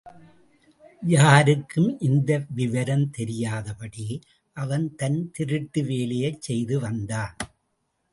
யாருக்கும் இந்த விவரம் தெரியாதபடி அவன் தன் திருட்டு வேலையைச் செய்து வந்தான்.